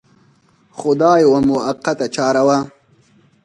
خو دا یوه موقته چاره وه.